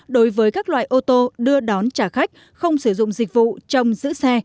đối với các loại ô tô đưa đón trả khách không sử dụng dịch vụ trong giữ xe